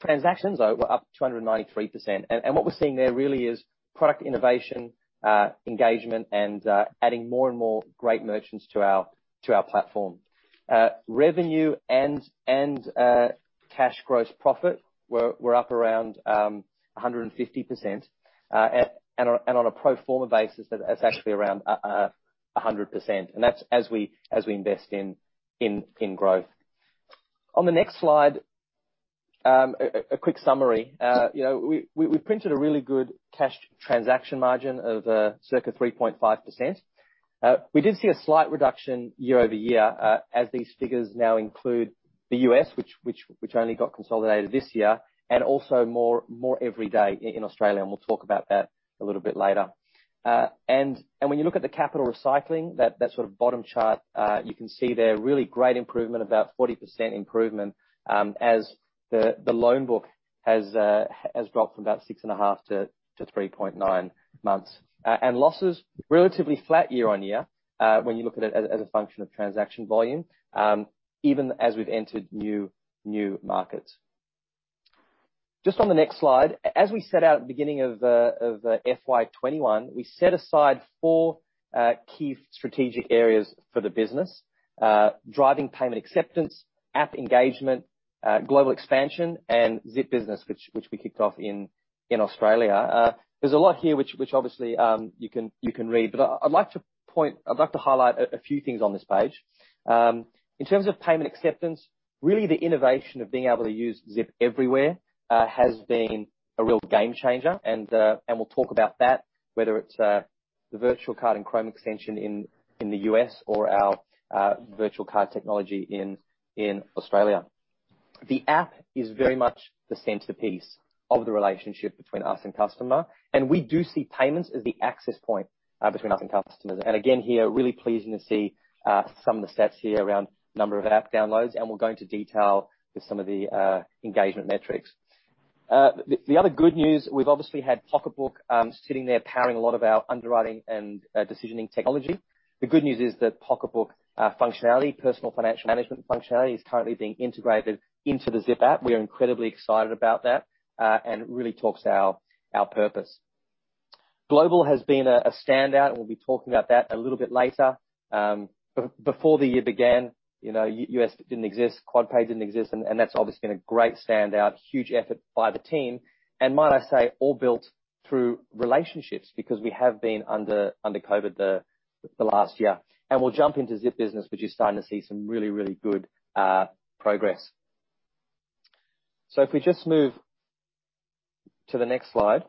Transactions were up 293%. What we're seeing there really is product innovation, engagement, and adding more and more great merchants to our platform. Revenue and cash gross profit were up around 150%, on a pro forma basis, that's actually around 100%. That's as we invest in growth. On the next slide, a quick summary. We printed a really good cash transaction margin of circa 3.5%. We did see a slight reduction year-over-year, as these figures now include the U.S., which only got consolidated this year, and also more every day in Australia, and we'll talk about that a little bit later. When you look at the capital recycling, that bottom chart, you can see there, really great improvement, about 40% improvement, as the loan book has dropped from about 6.5 to 3.9 months. Losses, relatively flat year on year, when you look at it as a function of transaction volume, even as we've entered new markets. Just on the next slide, as we set out at the beginning of FY 2021, we set aside four key strategic areas for the business, driving payment acceptance, app engagement, global expansion, and Zip Business, which we kicked off in Australia. There's a lot here which obviously, you can read, but I'd like to highlight a few things on this page. In terms of payment acceptance, really the innovation of being able to use Zip everywhere has been a real game changer, and we'll talk about that, whether it's the virtual card and Chrome extension in the U.S. or our virtual card technology in Australia. The app is very much the centerpiece of the relationship between us and customer, and we do see payments as the access point between us and customers. Again, here, really pleasing to see some of the stats here around number of app downloads, and we'll go into detail with some of the engagement metrics. The other good news, we've obviously had Pocketbook sitting there powering a lot of our underwriting and decisioning technology. The good news is that Pocketbook functionality, personal financial management functionality, is currently being integrated into the Zip app. We are incredibly excited about that, and it really talks to our purpose. Global has been a standout, and we'll be talking about that a little bit later. Before the year began, U.S. didn't exist, QuadPay didn't exist, and that's obviously been a great standout, huge effort by the team, and might I say, all built through relationships, because we have been under COVID the last year. We'll jump into Zip Business, which you're starting to see some really, really good progress. If we just move to the next slide.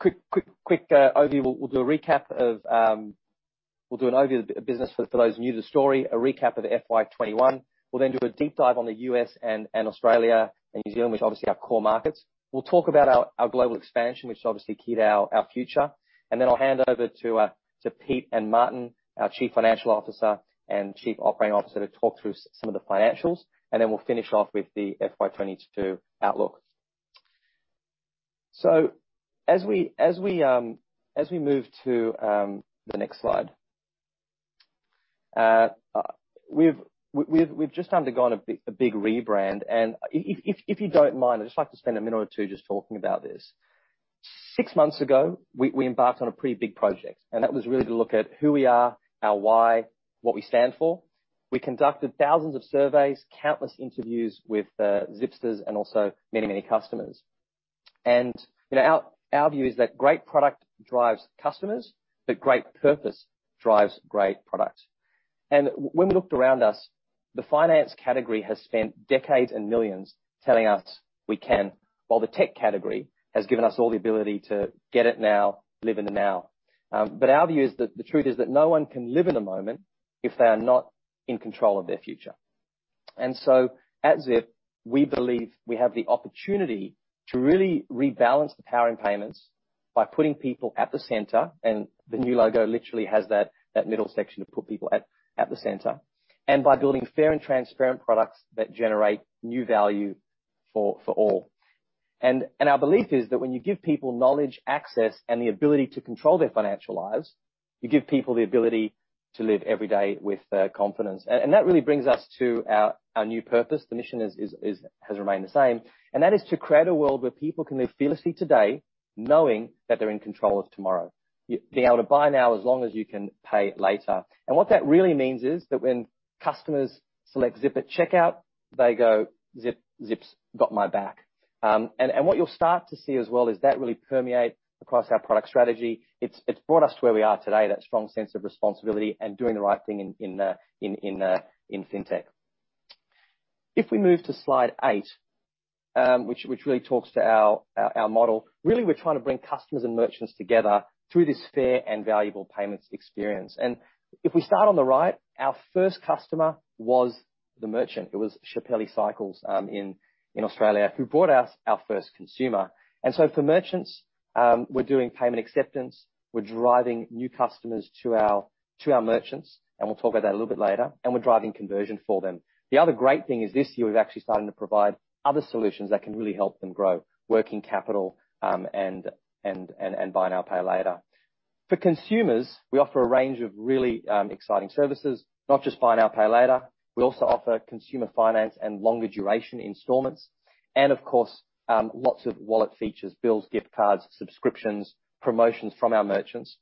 Quick overview. We'll do an overview of the business for those new to the story, a recap of FY 2021. We'll then do a deep dive on the U.S. and Australia and New Zealand, which are obviously our core markets. We'll talk about our global expansion, which is obviously key to our future. Then I'll hand over to Pete and Martin, our Chief Financial Officer and Chief Operating Officer, to talk through some of the financials, and then we'll finish off with the FY 2022 outlook. As we move to the next slide. We've just undergone a big rebrand, and if you don't mind, I'd just like to spend a one or two just talking about this. Six months ago, we embarked on a pretty big project, and that was really to look at who we are, our why, what we stand for. We conducted thousands of surveys, countless interviews with Zipsters and also many, many customers. Our view is that great product drives customers, but great purpose drives great product. When we looked around us, the finance category has spent decades and millions telling us we can, while the tech category has given us all the ability to get it now, live in the now. Our view is that the truth is that no one can live in the moment if they are not in control of their future. At Zip, we believe we have the opportunity to really rebalance the power in payments by putting people at the center, and the new logo literally has that middle section to put people at the center, and by building fair and transparent products that generate new value for all. Our belief is that when you give people knowledge, access, and the ability to control their financial lives, you give people the ability to live every day with confidence. That really brings us to our new purpose. The mission has remained the same, and that is to create a world where people can live fearlessly today knowing that they're in control of tomorrow. Being able to buy now as long as you can pay later. What that really means is that when customers select Zip at checkout, they go, "Zip's got my back." What you'll start to see as well is that really permeates across our product strategy. It's brought us to where we are today, that strong sense of responsibility and doing the right thing in fintech. If we move to slide eight, which really talks to our model, really, we're trying to bring customers and merchants together through this fair and valuable payments experience. If we start on the right, our first customer was the merchant. It was Chappelli Cycles in Australia, who brought us our first consumer. So for merchants, we're doing payment acceptance. We're driving new customers to our merchants, and we'll talk about that a little bit later, and we're driving conversion for them. The other great thing is this year we've actually started to provide other solutions that can really help them grow working capital and buy now, pay later. For consumers, we offer a range of really exciting services. Not just buy now, pay later. We also offer consumer finance and longer duration installments. Of course, lots of wallet features, bills, gift cards, subscriptions, promotions from our merchants.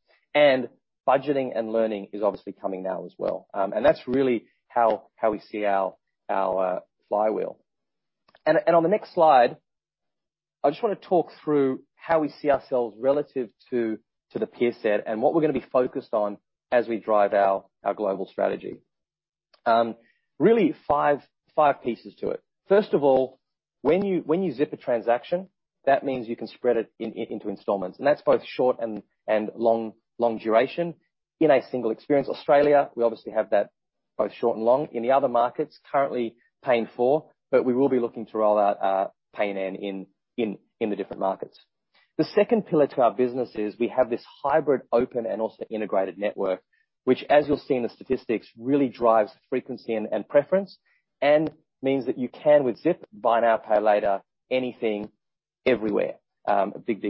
Budgeting and learning is obviously coming now as well. That's really how we see our flywheel. On the next slide, I just want to talk through how we see ourselves relative to the peer set and what we're going to be focused on as we drive our global strategy. Really five pieces to it. First of all, when you zip a transaction, that means you can spread it into installments, and that's both short and long duration in a single experience. Australia, we obviously have that both short and long. In the other markets, currently pay in full, but we will be looking to roll out pay in the different markets. The second pillar to our business is we have this hybrid open and also integrated network. Which, as you'll see in the statistics, really drives frequency and preference and means that you can, with Zip, buy now, pay later, anything, everywhere. A big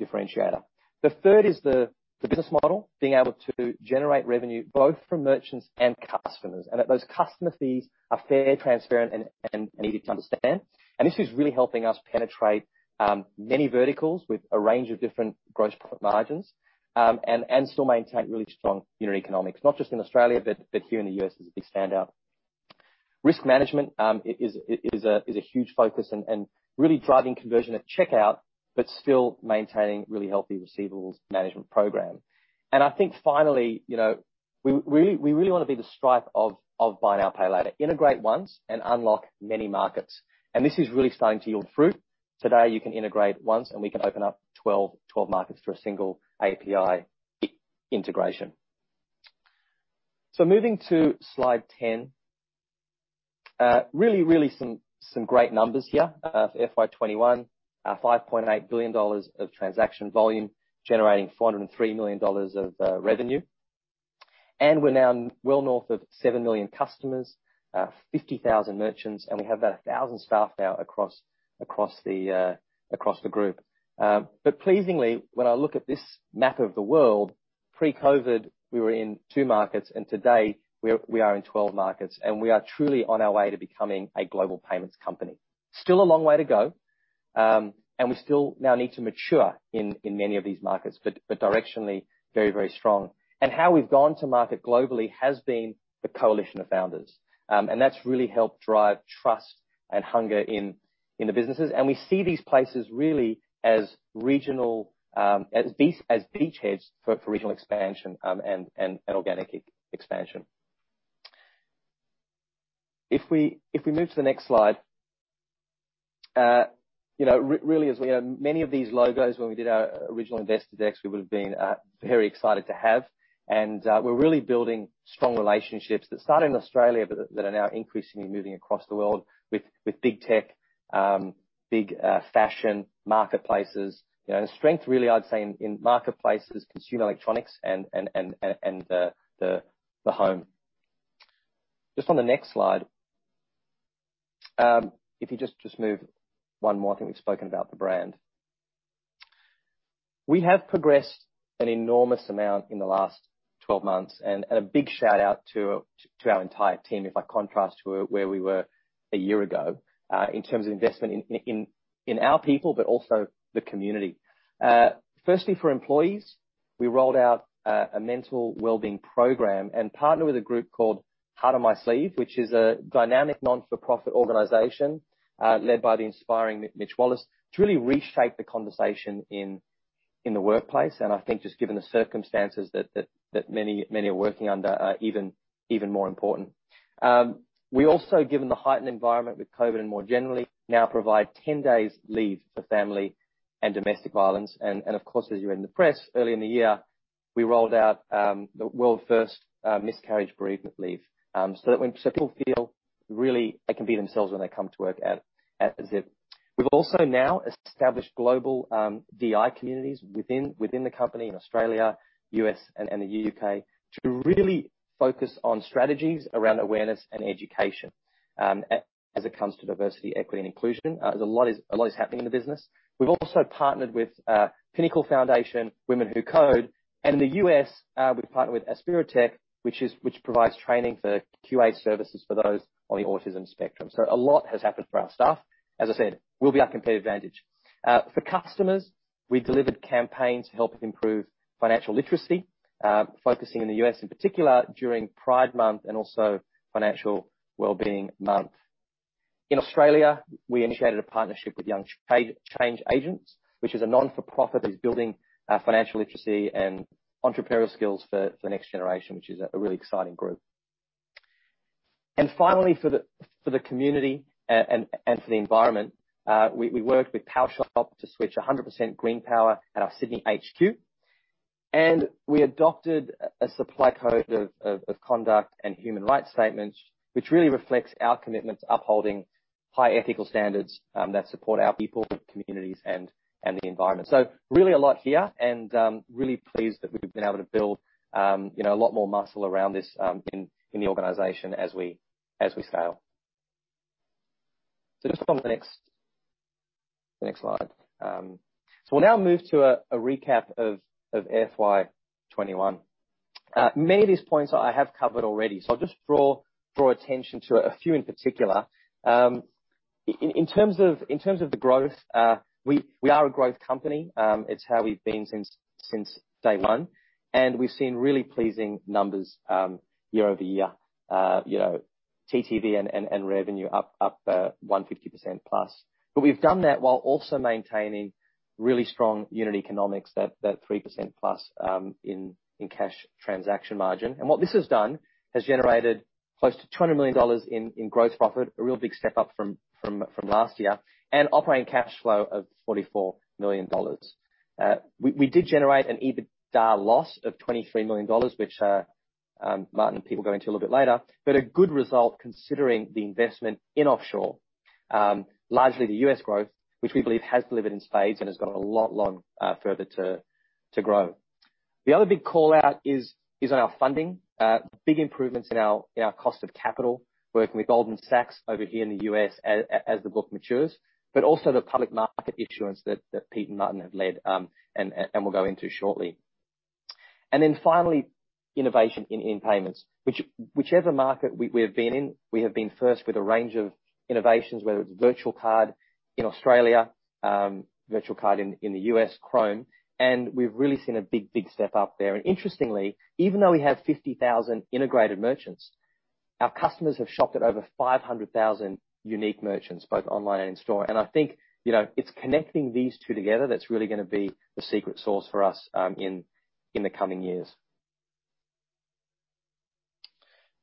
differentiator. The third is the business model, being able to generate revenue both from merchants and customers, and that those customer fees are fair, transparent, and easy to understand. This is really helping us penetrate many verticals with a range of different gross product margins, and still maintain really strong unit economics, not just in Australia, but here in the U.S. is a big standout. Risk management is a huge focus, and really driving conversion at checkout, but still maintaining really healthy receivables management program. I think finally, we really want to be the Stripe of buy now, pay later. Integrate once and unlock many markets. This is really starting to yield fruit. Today, you can integrate once, and we can open up 12 markets for a single API integration. Moving to slide 10. Really some great numbers here for FY 2021. 5.8 billion dollars of transaction volume, generating 403 million dollars of revenue. We're now well north of 7 million customers, 50,000 merchants, and we have about 1,000 staff now across the group. Pleasingly, when I look at this map of the world, pre-COVID, we were in two markets, and today we are in 12 markets, and we are truly on our way to becoming a global payments company. Still a long way to go. We still now need to mature in many of these markets. Directionally, very strong. How we've gone to market globally has been the coalition of founders. That's really helped drive trust and hunger in the businesses. We see these places really as beachheads for regional expansion and organic expansion. If we move to the next slide. Really, as many of these logos when we did our original investor decks, we would've been very excited to have. We're really building strong relationships that started in Australia, but that are now increasingly moving across the world with big tech, big fashion marketplaces. Strength, really, I'd say, in marketplaces, consumer electronics, and the home. Just on the next slide. If you just move one more. I think we've spoken about the brand. We have progressed an enormous amount in the last 12 months. A big shout-out to our entire team, if I contrast to where we were a year ago, in terms of investment in our people, but also the community. Firstly, for employees, we rolled out a mental well-being program and partnered with a group called Heart On My Sleeve, which is a dynamic not-for-profit organization led by the inspiring Mitch Wallis to really reshape the conversation in the workplace. I think just given the circumstances that many are working under, even more important. We also, given the heightened environment with COVID and more generally, now provide 10 days leave for family and domestic violence. Of course, as you read in the press, earlier in the year, we rolled out the world's first miscarriage bereavement leave. That people feel really they can be themselves when they come to work at Zip. We've also now established global DEI communities within the company in Australia, U.S., and the U.K. to really focus on strategies around awareness and education as it comes to diversity, equity, and inclusion. A lot is happening in the business. We've also partnered with The Pinnacle Foundation, Women Who Code. In the U.S., we've partnered with Aspiritech, which provides training for QA services for those on the autism spectrum. A lot has happened for our staff. As I said, will be our competitive advantage. For customers, we delivered campaigns to help improve financial literacy, focusing in the U.S. in particular during Pride Month and also Financial Well-being Month. In Australia, we initiated a partnership with Young Change Agents, which is a non-profit that is building financial literacy and entrepreneurial skills for the next generation, which is a really exciting group. Finally, for the community and for the environment, we worked with Powershop to switch 100% GreenPower at our Sydney HQ, and we adopted a supply code of conduct and human rights statements, which really reflects our commitment to upholding high ethical standards that support our people, communities, and the environment. Really a lot here, and really pleased that we've been able to build a lot more muscle around this in the organization as we scale. Just on to the next slide. We'll now move to a recap of FY 2021. Many of these points I have covered already, so I'll just draw attention to a few in particular. In terms of the growth, we are a growth company. It's how we've been since day one, we've seen really pleasing numbers year-over-year. TTV and revenue up 150%+. We've done that while also maintaining really strong unit economics, that 3%+ in cash transaction margin. What this has done, has generated close to 200 million dollars in gross profit, a real big step up from last year, and operating cash flow of 44 million dollars. We did generate an EBITDA loss of 23 million dollars, which Martin and Pete will go into a little bit later, but a good result considering the investment in offshore. Largely the U.S. growth, which we believe has delivered in spades and has got a lot longer further to grow. The other big call-out is on our funding. Big improvements in our cost of capital, working with Goldman Sachs over here in the U.S. as the book matures, but also the public market issuance that Pete and Martin have led, and will go into shortly. Finally, innovation in payments. Whichever market we have been in, we have been first with a range of innovations, whether it's virtual card in Australia, virtual card in the U.S., Chrome, and we've really seen a big step up there. Interestingly, even though we have 50,000 integrated merchants, our customers have shopped at over 500,000 unique merchants, both online and in store. I think it's connecting these two together that's really going to be the secret sauce for us in the coming years.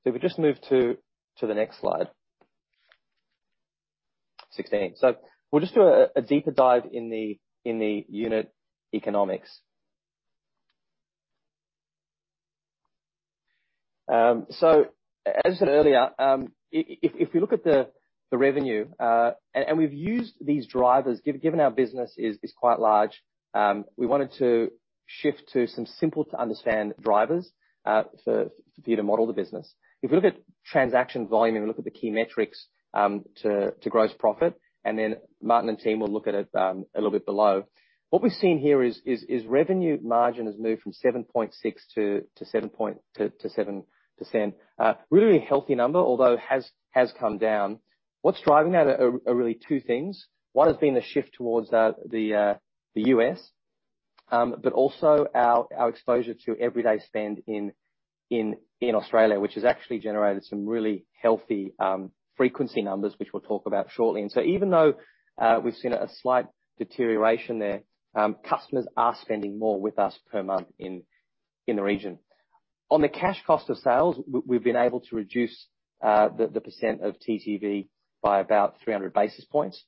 If we just move to the next slide. 16. We'll just do a deeper dive in the unit economics. As I said earlier, if we look at the revenue, and we've used these drivers, given our business is quite large, we wanted to shift to some simple to understand drivers for Pete to model the business. If we look at transaction volume and we look at the key metrics to gross profit, and then Martin and team will look at it a little bit below. What we've seen here is revenue margin has moved from 7.6% to 7%. Really healthy number, although has come down. What's driving that are really two things. One has been the shift towards the U.S., but also our exposure to everyday spend in Australia, which has actually generated some really healthy frequency numbers, which we'll talk about shortly. Even though we've seen a slight deterioration there, customers are spending more with us per month in the region. On the cash cost of sales, we've been able to reduce the percent of TTV by about 300 basis points,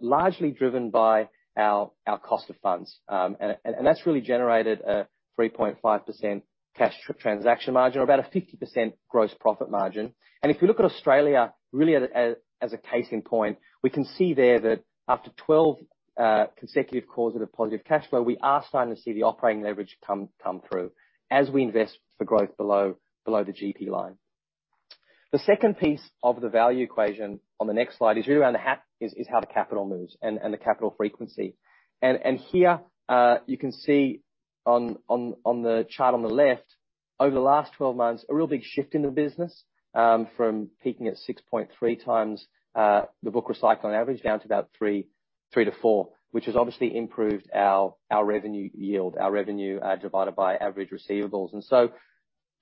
largely driven by our cost of funds. That's really generated a 3.5% cash transaction margin, or about a 50% gross profit margin. If you look at Australia, really as a case in point, we can see there that after 12 consecutive quarters of positive cash flow, we are starting to see the operating leverage come through as we invest for growth below the GP line. The second piece of the value equation on the next slide is really around is how the capital moves and the capital frequency. Here, you can see on the chart on the left, over the last 12 months, a real big shift in the business, from peaking at 6.3x the book recycle on average down to about 3x-4x, which has obviously improved our revenue yield. Our revenue divided by average receivables.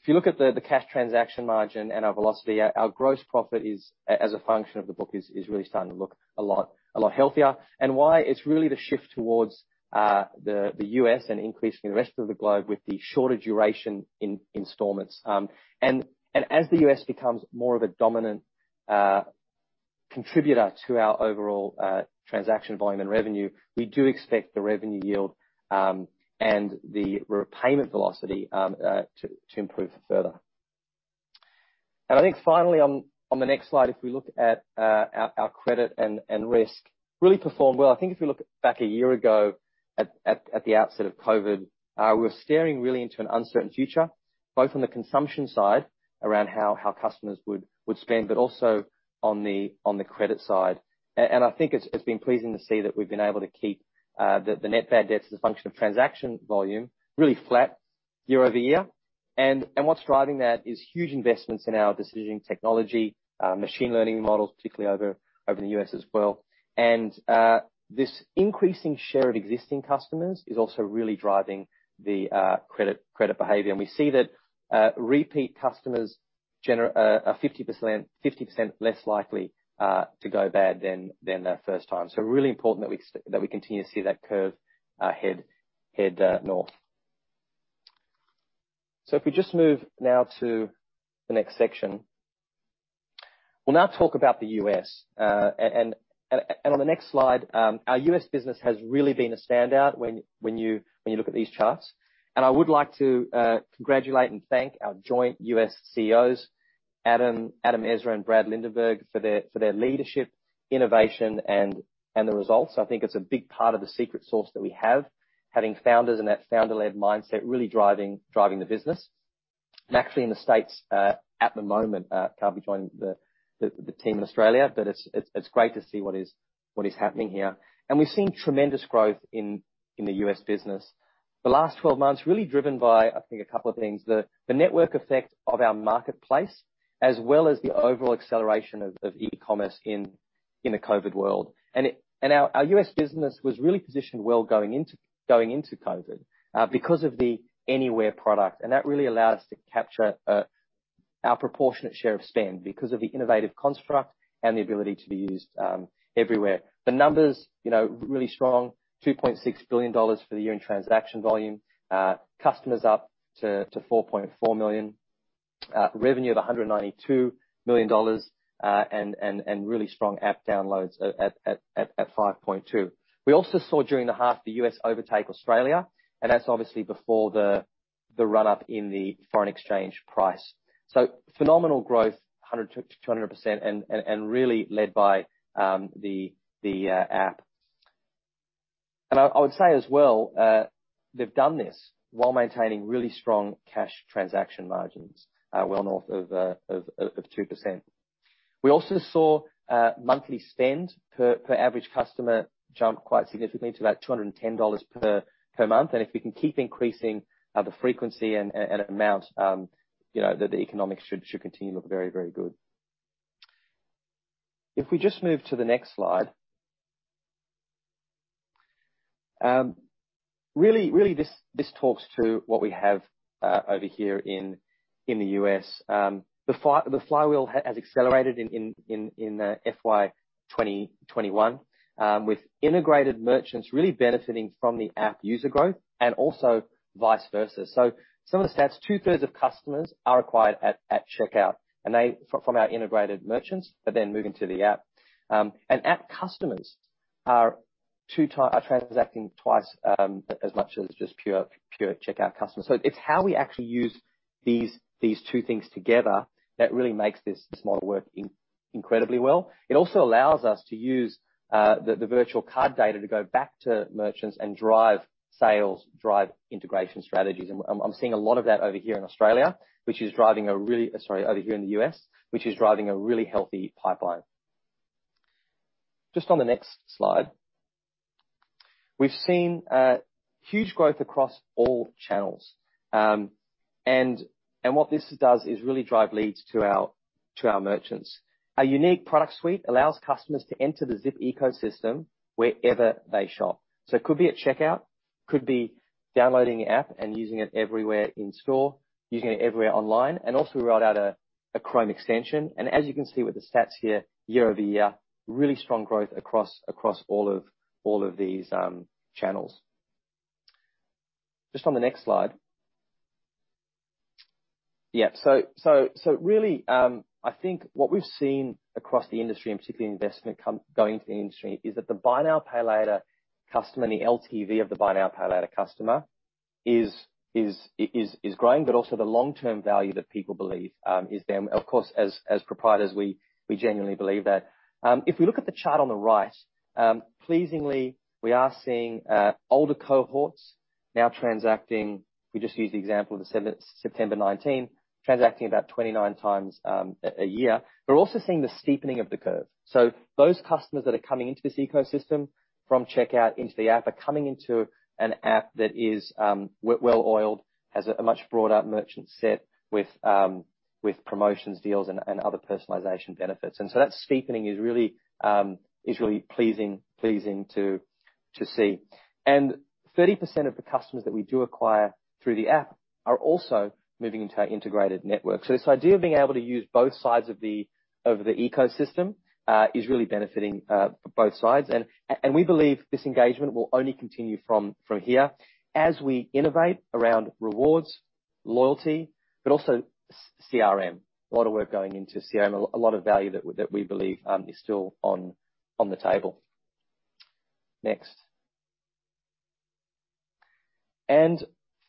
If you look at the cash transaction margin and our velocity, our gross profit as a function of the book is really starting to look a lot healthier. Why? It's really the shift towards the U.S. and increasing the rest of the globe with the shorter duration installments. As the U.S. becomes more of a dominant contributor to our overall transaction volume and revenue, we do expect the revenue yield and the repayment velocity to improve further. I think finally, on the next slide, if we look at our credit and risk, really performed well. I think if we look back a year ago at the outset of COVID, we were staring really into an uncertain future, both on the consumption side around how customers would spend, but also on the credit side. I think it's been pleasing to see that we've been able to keep the net bad debts as a function of transaction volume really flat year-over-year. What's driving that is huge investments in our decision technology, machine learning models, particularly over in the U.S. as well. This increasing share of existing customers is also really driving the credit behavior. We see that repeat customers are 50% less likely to go bad than first time. Really important that we continue to see that curve head north. If we just move now to the next section. We will now talk about the U.S. On the next slide, our U.S. business has really been a standout when you look at these charts. I would like to congratulate and thank our joint U.S. CEOs, Adam Ezra and Brad Lindenberg, for their leadership, innovation, and the results. I think it's a big part of the secret sauce that we have, having founders and that founder-led mindset really driving the business. I am actually in the States at the moment, currently joining the team in Australia, but it's great to see what is happening here. We've seen tremendous growth in the U.S. business. The last 12 months really driven by, I think, a couple of things. The network effect of our marketplace, as well as the overall acceleration of e-commerce in the COVID world. Our U.S. business was really positioned well going into COVID because of the anywhere product. That really allowed us to capture our proportionate share of spend because of the innovative construct and the ability to be used everywhere. The numbers, really strong, $2.6 billion for the year-end transaction volume. Customers up to 4.4 million. Revenue of $192 million, and really strong app downloads at 5.2. We also saw during the half the U.S. overtake Australia, and that's obviously before the run-up in the foreign exchange price. Phenomenal growth, 100%-200%, and really led by the app. I would say as well, they've done this while maintaining really strong cash transaction margins, well north of 2%. We also saw monthly spend per average customer jump quite significantly to about $210 per month. If we can keep increasing the frequency and amount, the economics should continue to look very, very good. If we just move to the next slide. Really this talks to what we have over here in the U.S. The flywheel has accelerated in FY 2021, with integrated merchants really benefiting from the app user growth and also vice versa. Some of the stats, 2/3 of customers are acquired at checkout from our integrated merchants, then moving to the app. App customers are transacting twice as much as just pure checkout customers. It's how we actually use these two things together that really makes this model work incredibly well. It also allows us to use the virtual card data to go back to merchants and drive sales, drive integration strategies. I'm seeing a lot of that over here in Australia, sorry, over here in the U.S., which is driving a really healthy pipeline. Just on the next slide. We've seen huge growth across all channels. What this does is really drive leads to our merchants. Our unique product suite allows customers to enter the Zip ecosystem wherever they shop. It could be at checkout, could be downloading an app and using it everywhere in store, using it everywhere online, and also we rolled out a Chrome extension. As you can see with the stats here, year-over-year, really strong growth across all of these channels. Just on the next slide. Yeah. Really, I think what we've seen across the industry, and particularly investment going into the industry, is that the buy now, pay later customer and the LTV of the buy now, pay later customer is growing, but also the long-term value that people believe is there. Of course, as proprietors, we genuinely believe that. If we look at the chart on the right, pleasingly, we are seeing older cohorts now transacting, we just use the example of the September 2019, transacting about 29 times a year. We're also seeing the steepening of the curve. Those customers that are coming into this ecosystem from checkout into the app are coming into an app that is well-oiled, has a much broader merchant set with promotions, deals, and other personalization benefits. That steepening is really pleasing to see. 30% of the customers that we do acquire through the app are also moving into our integrated network. This idea of being able to use both sides of the ecosystem is really benefiting both sides. We believe this engagement will only continue from here as we innovate around rewards, loyalty, but also CRM. A lot of work going into CRM, a lot of value that we believe is still on the table. Next.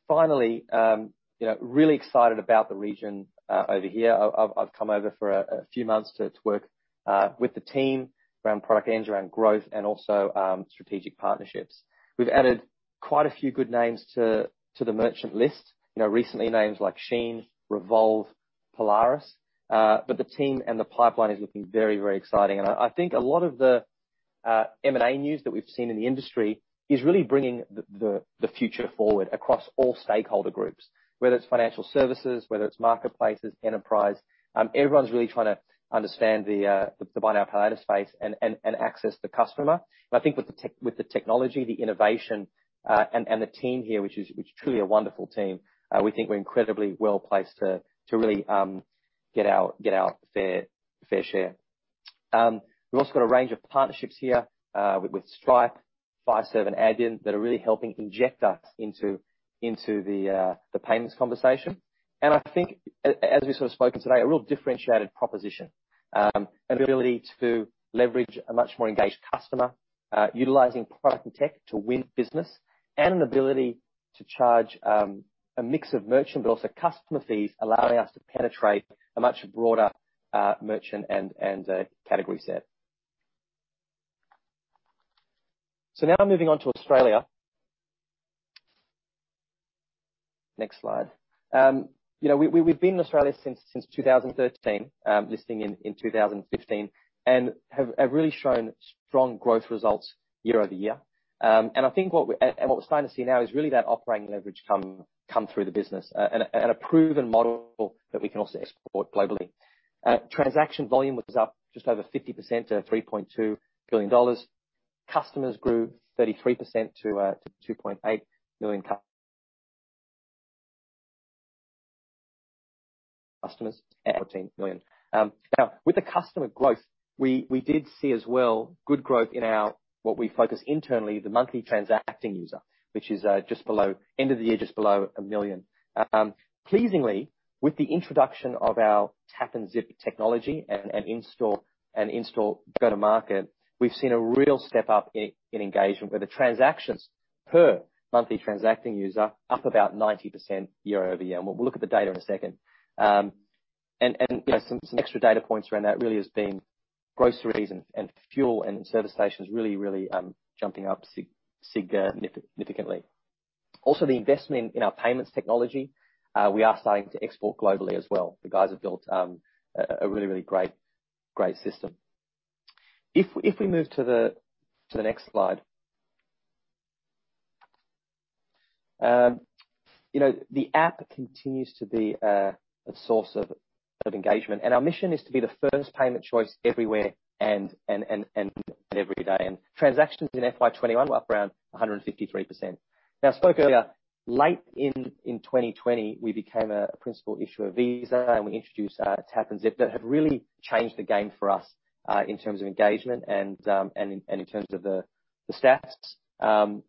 Finally, really excited about the region over here. I've come over for a few months to work with the team around product management, around growth, and also strategic partnerships. We've added quite a few good names to the merchant list. Recently names like Shein, Revolve, Polaris. The team and the pipeline is looking very, very exciting. I think a lot of the M&A news that we've seen in the industry is really bringing the future forward across all stakeholder groups. Whether it's financial services, whether it's marketplaces, enterprise, everyone's really trying to understand the buy now, pay later space and access the customer. I think with the technology, the innovation, and the team here, which is truly a wonderful team, we think we're incredibly well-placed to really get our fair share. We've also got a range of partnerships here, with Stripe, Fiserv and Adyen, that are really helping inject us into the payments conversation. I think, as we've spoken today, a real differentiated proposition. An ability to leverage a much more engaged customer, utilizing product and tech to win business, an ability to charge, a mix of merchant, but also customer fees, allowing us to penetrate a much broader merchant and category set. Now moving on to Australia. Next slide. We've been in Australia since 2013, listing in 2015, and have really shown strong growth results year-over-year. What we're starting to see now is really that operating leverage come through the business, and a proven model that we can also export globally. Transaction volume was up just over 50% to 3.2 billion dollars. Customers grew 33% to 2.8 million customers, 14 million. Now, with the customer growth, we did see as well good growth in what we focus internally, the monthly transacting user, which is, end of the year, just below a million. Pleasingly, with the introduction of our Tap & Zip technology and in-store go-to-market, we've seen a real step up in engagement, where the transactions per monthly transacting user up about 90% year-over-year. We'll look at the data in a second. Some extra data points around that really has been groceries and fuel and service stations really jumping up significantly. Also, the investment in our payments technology, we are starting to export globally as well. The guys have built a really great system. If we move to the next slide. The app continues to be a source of engagement, and our mission is to be the first payment choice everywhere and every day. Transactions in FY 2021 were up around 153%. Now, I spoke earlier, late in 2020, we became a principal issuer Visa, and we introduced Tap & Zip. That have really changed the game for us, in terms of engagement and in terms of the stats.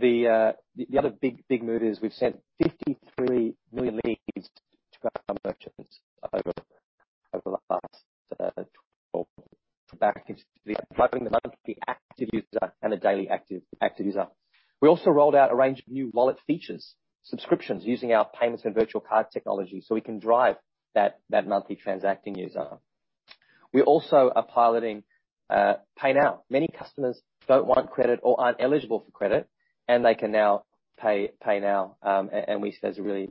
The other big move is we've sent 53 million leads to our merchants over the last 12 months active user and a daily active user. We also rolled out a range of new wallet features, subscriptions, using our payments and virtual card technology so we can drive that monthly transacting user. We also are piloting Pay Now. Many customers don't want credit or aren't eligible for credit, and they can now Pay Now. We see there's a really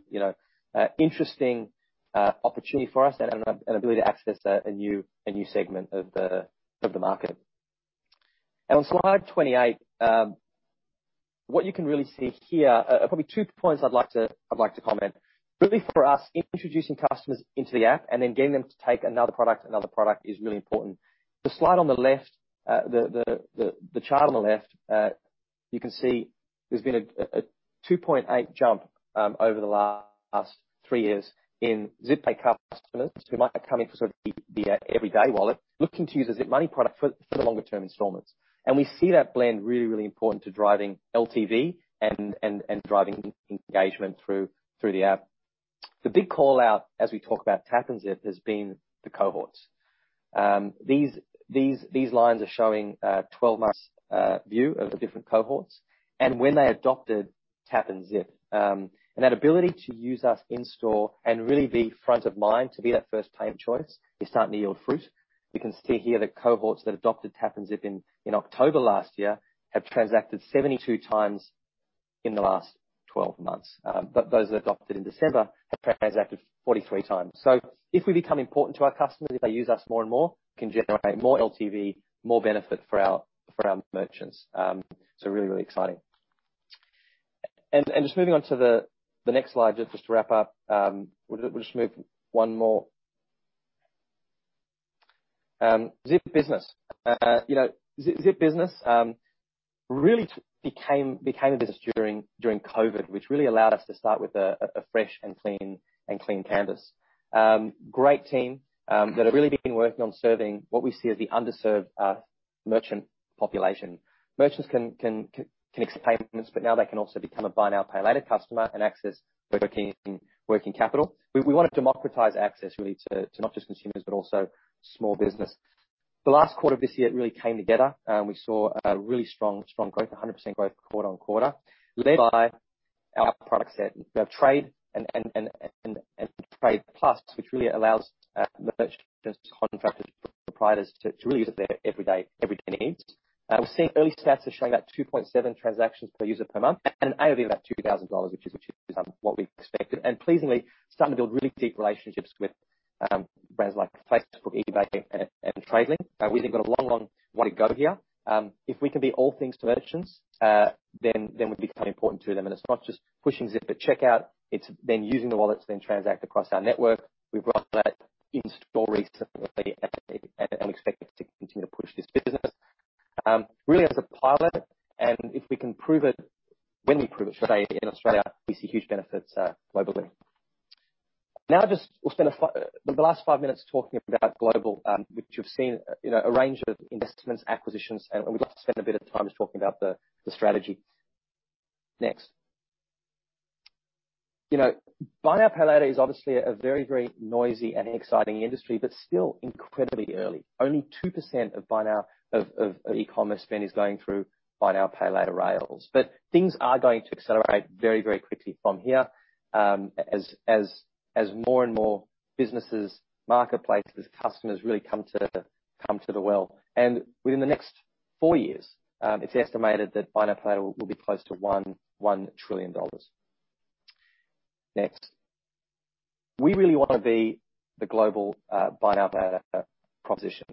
interesting opportunity for us and an ability to access a new segment of the market. On slide 28, what you can really see here are probably two points I'd like to comment. Really for us, introducing customers into the app and then getting them to take another product is really important. The chart on the left, you can see there's been a 2.8 jump over the last three years in Zip Pay customers who might be coming for the everyday wallet, looking to use the Zip Money product for the longer-term installments. We see that blend really, really important to driving LTV and driving engagement through the app. The big call-out as we talk about Tap & Zip has been the cohorts. These lines are showing 12 months view of the different cohorts, and when they adopted Tap & Zip. That ability to use us in-store and really be front of mind to be that first payment choice is starting to yield fruit. You can see here the cohorts that adopted Tap & Zip in October last year have transacted 72 times in the last 12 months. Those that adopted in December have transacted 43 times. If we become important to our customers, if they use us more and more, we can generate more LTV, more benefit for our merchants. Really, really exciting. Just moving on to the next slide, just to wrap up. We'll just move one more. Zip Business. Zip Business really became a business during COVID, which really allowed us to start with a fresh and clean canvas. Great team, that have really been working on serving what we see as the underserved merchant population. Merchants can connect to payments, but now they can also become a buy now, pay later customer and access working capital. We want to democratize access, really, to not just consumers, but also small business. The last quarter of this year, it really came together. We saw a really strong growth, 100% growth quarter-on-quarter, led by our product set. We have Trade and Trade Plus, which really allows merchants, contractors, proprietors to really use it for their everyday needs. We're seeing early stats are showing about 2.7 transactions per user per month at an AOV about 2,000 dollars, which is what we expected. Pleasingly, starting to build really deep relationships with brands like Facebook, eBay, and Tradelink. We think we've got a long, long way to go here. If we can be all things to merchants, then we become important to them. It's not just pushing Zip at checkout, it's then using the wallets, then transact across our network. We've brought that in-store recently, and we're expecting to continue to push this business. Really as a pilot, and when we prove it in Australia, we see huge benefits globally. Now, we'll spend the last five minutes talking about global, which you've seen a range of investments, acquisitions, and we'd like to spend a bit of time just talking about the strategy. Next. Buy now, pay later is obviously a very noisy and exciting industry, but still incredibly early. Only 2% of e-commerce spend is going through buy now, pay later rails. Things are going to accelerate very quickly from here as more and more businesses, marketplaces, customers really come to the well. Within the next four years, it's estimated that buy now, pay later will be close to 1 trillion dollars. Next. We really want to be the global buy now, pay later proposition.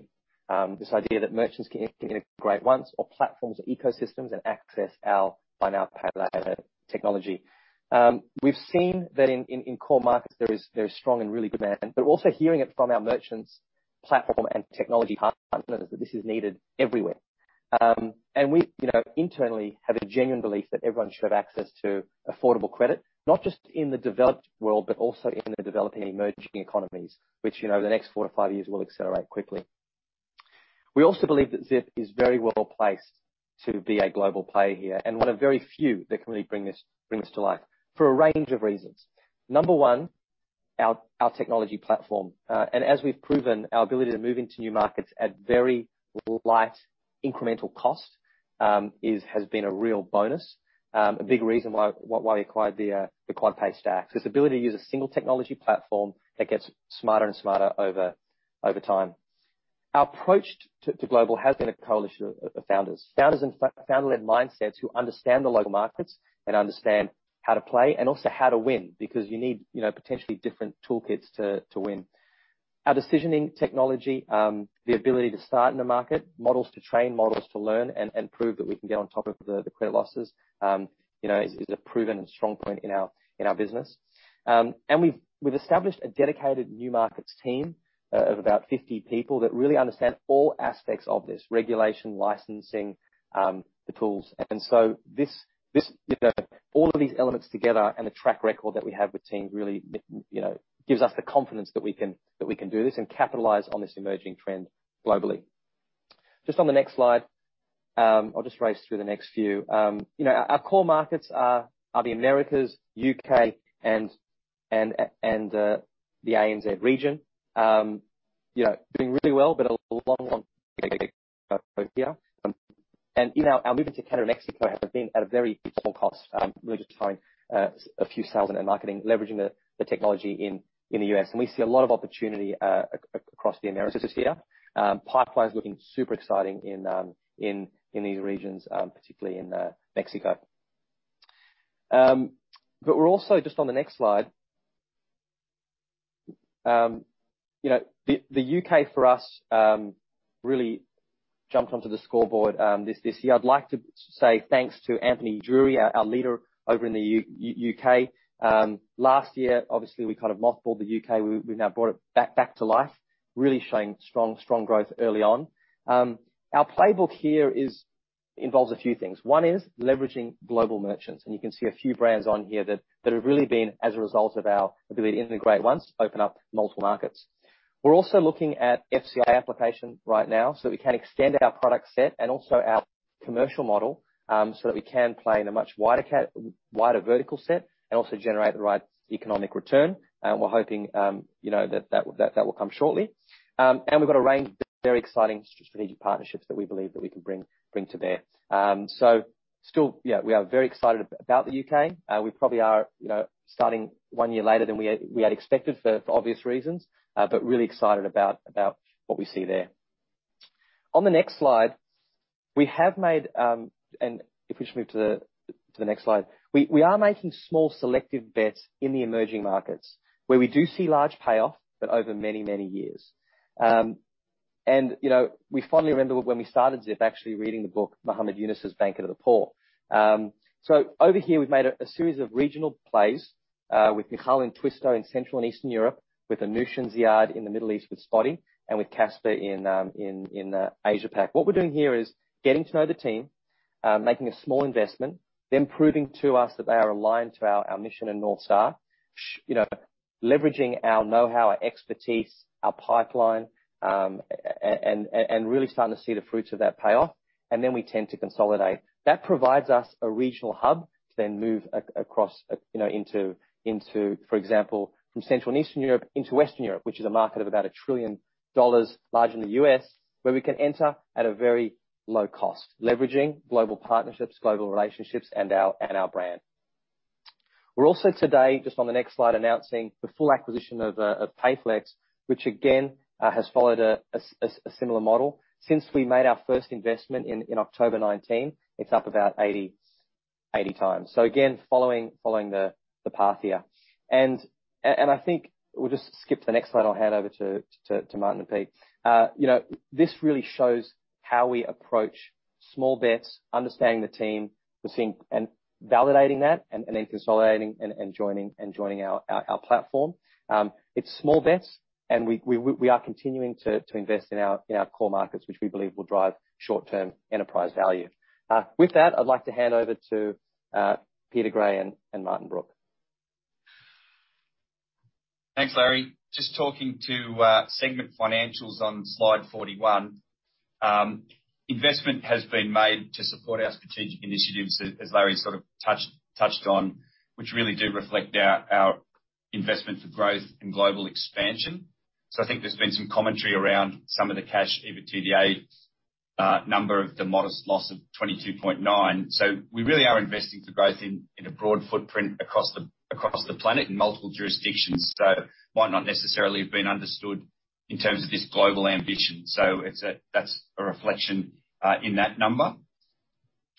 This idea that merchants can integrate once or platforms or ecosystems and access our buy now, pay later technology. We've seen that in core markets, there is strong and really demand, but also hearing it from our merchants, platform and technology partners that this is needed everywhere. We internally have a genuine belief that everyone should have access to affordable credit, not just in the developed world, but also in the developing and emerging economies, which, the next four to five years will accelerate quickly. We also believe that Zip is very well-placed to be a global player here, and one of very few that can really bring this to life for a range of reasons. Number one, our technology platform. As we've proven, our ability to move into new markets at very light incremental cost has been a real bonus. A big reason why we acquired QuadPay stocks. This ability to use a single technology platform that gets smarter and smarter over time. Our approach to global has been a coalition of founders. Founder-led mindsets who understand the local markets and understand how to play and also how to win. You need potentially different toolkits to win. Our decisioning technology, the ability to start in the market, models to train, models to learn and prove that we can get on top of the credit losses, is a proven and strong point in our business. We've established a dedicated new markets team of about 50 people that really understand all aspects of this regulation, licensing, the tools. All of these elements together and the track record that we have with teams really gives us the confidence that we can do this and capitalize on this emerging trend globally. Just on the next slide. I'll just race through the next few. Our core markets are the Americas, U.K., and the ANZ region. Doing really well, a long one here. Our movement to Canada and Mexico has been at a very small cost, really just paying a few sales and marketing, leveraging the technology in the U.S. We see a lot of opportunity across the Americas here. Pipeline is looking super exciting in these regions, particularly in Mexico. We are also just on the next slide. The U.K. for us really jumped onto the scoreboard this year. I would like to say thanks to Anthony Drury, our leader over in the U.K. Last year, obviously, we kind of mothballed the U.K. We have now brought it back to life, really showing strong growth early on. Our playbook here involves a few things. One is leveraging global merchants, and you can see a few brands on here that have really been as a result of our ability to integrate once, open up multiple markets. We're also looking at FCA application right now, so that we can extend our product set and also our commercial model, so that we can play in a much wider vertical set and also generate the right economic return. We're hoping that will come shortly. We've got a range of very exciting strategic partnerships that we believe that we can bring to bear. Still, we are very excited about the U.K. We probably are starting one year later than we had expected, for obvious reasons, but really excited about what we see there. On the next slide. If we just move to the next slide. We are making small selective bets in the emerging markets, where we do see large payoff, but over many years. We fondly remember when we started Zip, actually reading the book Muhammad Yunus's "Banker to the Poor." Over here, we've made a series of regional plays, with Michal in Twisto in Central and Eastern Europe, with Anuscha and Ziyaad in the Middle East with Spotii, and with Casper in Asia-Pac. What we're doing here is getting to know the team, making a small investment, them proving to us that they are aligned to our mission and North Star. Leveraging our knowhow, our expertise, our pipeline, and really starting to see the fruits of that payoff. Then we tend to consolidate. That provides us a regional hub to then move across, for example, from Central and Eastern Europe into Western Europe, which is a market of about 1 trillion dollars, larger than the U.S., where we can enter at a very low cost, leveraging global partnerships, global relationships, and our brand. We're also today, just on the next slide, announcing the full acquisition of Payflex, which again, has followed a similar model. Since we made our first investment in October 2019, it's up about 80 times. Again, following the path here. I think we'll just skip to the next slide. I'll hand over to Martin and Pete. This really shows how we approach small bets, understanding the team, and validating that, and then consolidating and joining our platform. It's small bets, and we are continuing to invest in our core markets, which we believe will drive short-term enterprise value. With that, I'd like to hand over to Peter Gray and Martin Brooke. Thanks, Larry. Just talking to segment financials on slide 41. Investment has been made to support our strategic initiatives, as Larry sort of touched on, which really do reflect our investment for growth and global expansion. I think there's been some commentary around some of the cash EBITDA number of the modest loss of 22.9. We really are investing for growth in a broad footprint across the planet in multiple jurisdictions. Might not necessarily have been understood in terms of this global ambition. That's a reflection in that number.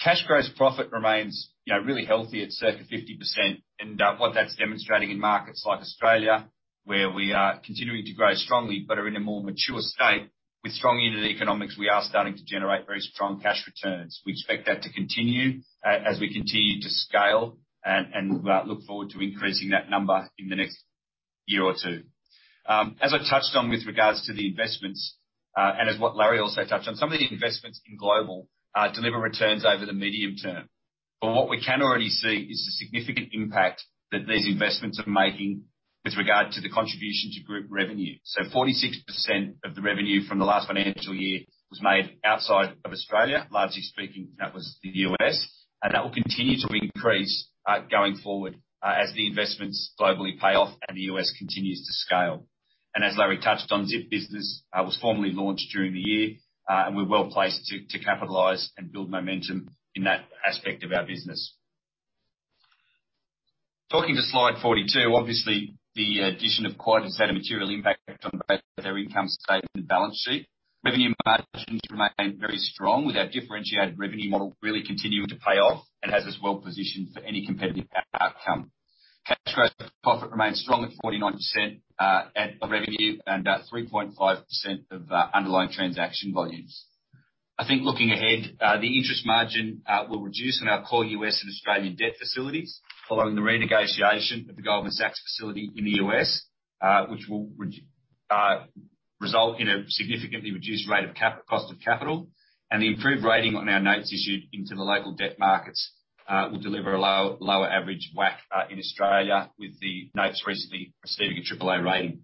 Cash gross profit remains really healthy at circa 50%. What that's demonstrating in markets like Australia, where we are continuing to grow strongly but are in a more mature state with strong unit economics, we are starting to generate very strong cash returns. We expect that to continue as we continue to scale and look forward to increasing that number in the next year or two. As I touched on with regards to the investments, and as what Larry also touched on, some of the investments in global deliver returns over the medium term. What we can already see is the significant impact that these investments are making with regard to the contribution to group revenue. 46% of the revenue from the last financial year was made outside of Australia. Largely speaking, that was the U.S., and that will continue to increase, going forward, as the investments globally pay off and the U.S. continues to scale. As Larry touched on, Zip Business was formally launched during the year, and we're well-placed to capitalize and build momentum in that aspect of our business. Talking to slide 42, obviously the addition of Quad has had a material impact on both our income statement and balance sheet. Revenue margins remain very strong with our differentiated revenue model really continuing to pay off and has us well positioned for any competitive outcome. Cash transaction margin remains strong at 49%, at revenue and 3.5% of underlying transaction volumes. I think looking ahead, the interest margin will reduce on our core U.S. and Australian debt facilities following the renegotiation of the Goldman Sachs facility in the U.S., which will result in a significantly reduced rate of cost of capital and the improved rating on our notes issued into the local debt markets will deliver a lower average WACC in Australia with the notes recently receiving a AAA rating.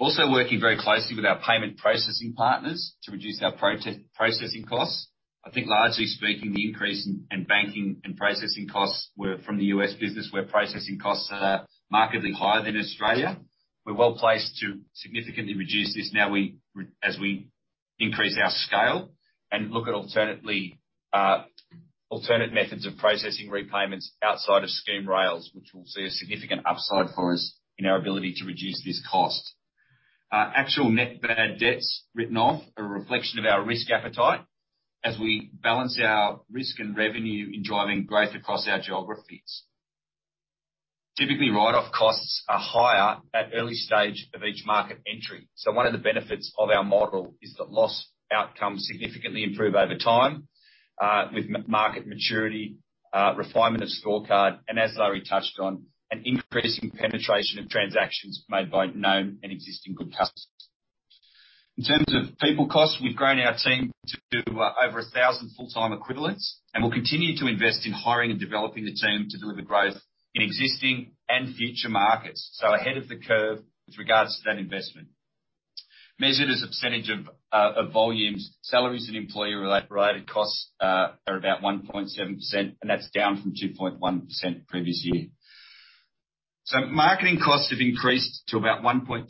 Working very closely with our payment processing partners to reduce our processing costs. I think largely speaking, the increase in banking and processing costs were from the U.S. business, where processing costs are markedly higher than Australia. We're well placed to significantly reduce this now as we increase our scale and look at alternate methods of processing repayments outside of scheme rails, which will see a significant upside for us in our ability to reduce this cost. Actual net bad debts written off are a reflection of our risk appetite as we balance our risk and revenue in driving growth across our geographies. Typically, write-off costs are higher at early stage of each market entry. One of the benefits of our model is loss outcomes significantly improve over time, with market maturity, refinement of scorecard, and as Larry touched on, an increasing penetration of transactions made by known and existing good customers. In terms of people costs, we've grown our team to over 1,000 full-time equivalents and will continue to invest in hiring and developing the team to deliver growth in existing and future markets. Ahead of the curve with regards to that investment. Measured as a percentage of volumes, salaries and employer-related costs are about 1.7%, and that's down from 2.1% previous year. Marketing costs have increased to about 1.2%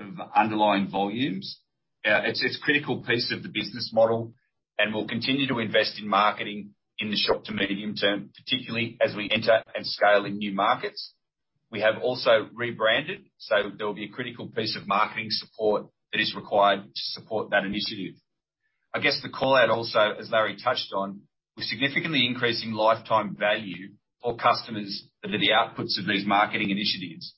of underlying volumes. It's critical piece of the business model, and we'll continue to invest in marketing in the short to medium term, particularly as we enter and scale in new markets. We have also rebranded, so there will be a critical piece of marketing support that is required to support that initiative. I guess the call-out also, as Larry touched on, we're significantly increasing lifetime value for customers that are the outputs of these marketing initiatives.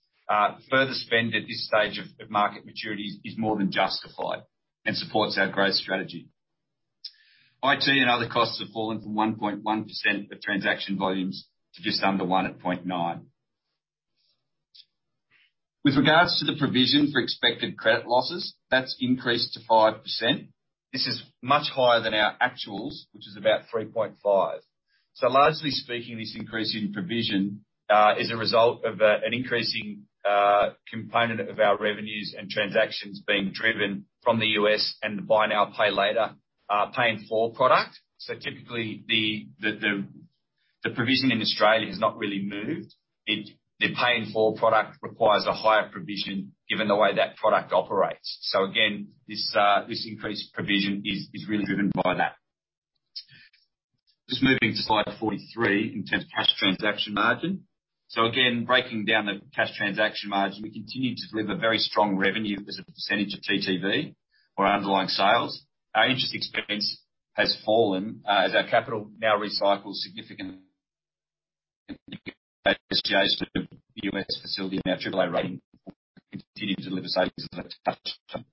Further spend at this stage of market maturity is more than justified and supports our growth strategy. IT and other costs have fallen from 1.1% of transaction volumes to just under 0.9%. With regards to the provision for expected credit losses, that's increased to 5%. This is much higher than our actuals, which is about 3.5%. Largely speaking, this increase in provision is a result of an increasing component of our revenues and transactions being driven from the U.S. and the buy now, pay later, Pay-in-4 product. Typically, the provision in Australia has not really moved. The Pay-in-4 product requires a higher provision given the way that product operates. Again, this increased provision is really driven by that. Just moving to slide 43 in terms of cash transaction margin. Again, breaking down the cash transaction margin, we continue to deliver very strong revenue as a percentage of TTV or underlying sales. Our interest expense has fallen as our capital now recycles significantly for the U.S. facility and our AAA rating continue to deliver savings as I touched on.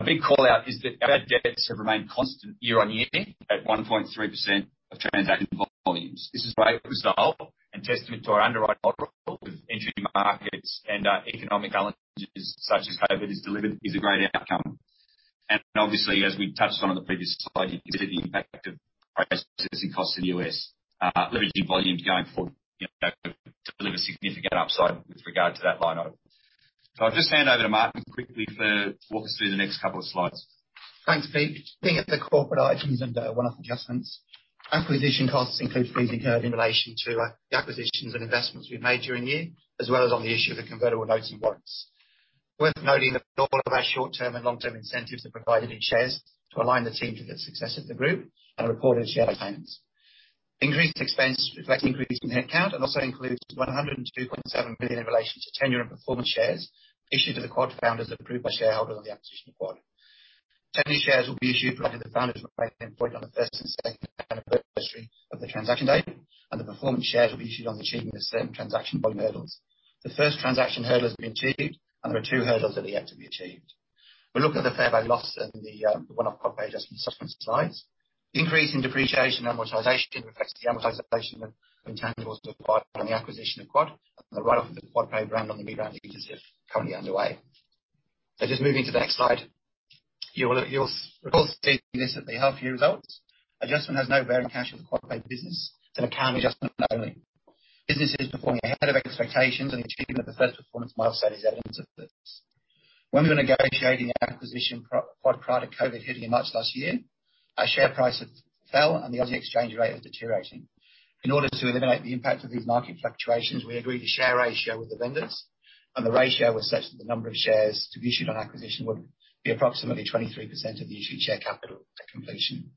A big call-out is that our debts have remained constant year-on-year at 1.3% of transaction volumes. This is a great result and testament to our underwriting model with entry markets and economic challenges such as COVID has delivered is a great outcome. Obviously, as we touched on in the previous slide, you can see the impact of prices and costs in the U.S., leveraging volumes going forward to deliver significant upside with regard to that line item. I'll just hand over to Martin quickly to walk us through the next couple of slides. Thanks, Pete. Looking at the corporate items and one-off adjustments. Acquisition costs include prepaid in relation to acquisitions and investments we made during the year, as well as on the issue of the convertible notes and warrants. Worth noting that all of our short-term and long-term incentives are provided in shares to align the team to the success of the group and are reported as share payments. Increased expense reflects increase in headcount and also includes 102.7 million in relation to tenure and performance shares issued to the Quad founders approved by shareholders on the acquisition of Quad. Tenure shares will be issued, providing the founders remain employed on the first and second anniversary of the transaction date, and the performance shares will be issued on achieving the same transaction volume hurdles. The first transaction hurdle has been achieved and there are two hurdles that are yet to be achieved. We look at the fair value loss in the one-off QuadPay as in the subsequent slides. The increase in depreciation and amortization reflects the amortization of intangibles of Quad on the acquisition of Quad and the write-off of the QuadPay brand on the rebrand initiative currently underway. Just moving to the next slide. You'll recall seeing this at the half year results. Adjustment has no bearing on cash of the QuadPay business. It's an accounting adjustment only. Business is performing ahead of expectations and achievement of the first performance milestone is evidence of this. When we were negotiating the acquisition of Quad prior to COVID hitting in March last year, our share price had fell and the AUD exchange rate was deteriorating. In order to eliminate the impact of these market fluctuations, we agreed a share ratio with the vendors, and the ratio was such that the number of shares to be issued on acquisition would be approximately 23% of the issued share capital at completion.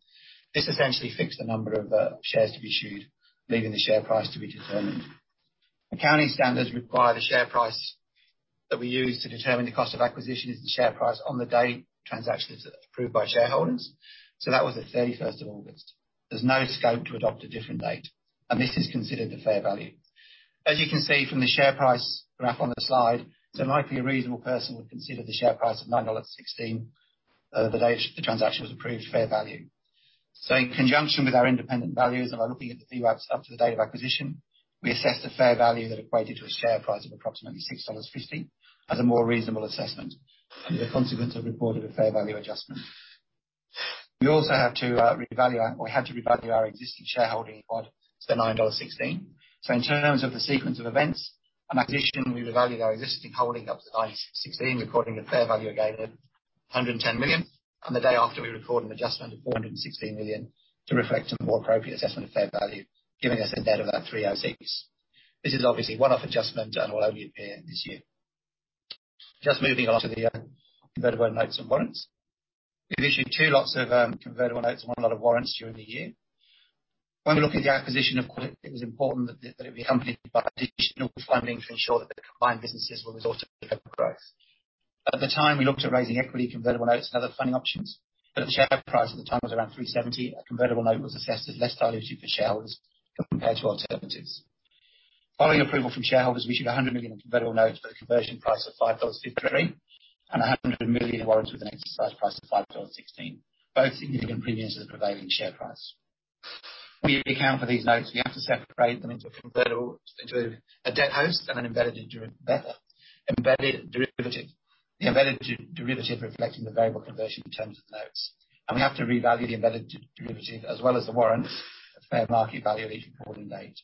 This essentially fixed the number of shares to be issued, leaving the share price to be determined. Accounting standards require the share price that we use to determine the cost of acquisition is the share price on the date transaction is approved by shareholders. That was the 31st of August. There's no scope to adopt a different date, and this is considered the fair value. As you can see from the share price graph on the slide, so likely a reasonable person would consider the share price of 9.16 dollars the day the transaction was approved fair value. In conjunction with our independent valuers and by looking at the VWAP to the date of acquisition, we assessed a fair value that equated to a share price of approximately 6.50 dollars as a more reasonable assessment, and the consequence of reporting a fair value adjustment. We had to revalue our existing shareholding in Quad to the 9.16 dollars. In terms of the sequence of events, on acquisition we revalued our existing holding up to 9.16, recording the fair value again of 110 million, and the day after we record an adjustment of 416 million to reflect a more appropriate assessment of fair value, giving us a debt of about 306. This is obviously a one-off adjustment and will only appear this year. Moving on to the convertible notes and warrants. We issued two lots of convertible notes and one lot of warrants during the year. When we look at the acquisition of Quad, it was important that it be accompanied by additional funding to ensure that the combined businesses will result in further growth. At the time, we looked at raising equity convertible notes and other funding options, the share price at the time was around 370. A convertible note was assessed as less dilutive for shareholders compared to alternatives. Following approval from shareholders, we issued 100 million in convertible notes for the conversion price of 5.53 dollars and 100 million in warrants with an exercise price of 5.16 dollars, both significant premiums to the prevailing share price. When we account for these notes, we have to separate them into a debt host and an embedded derivative. The embedded derivative reflecting the variable conversion in terms of notes. We have to revalue the embedded derivative as well as the warrants at fair market value at each reporting date.